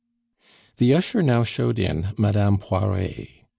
The usher now showed in Madame Poiret.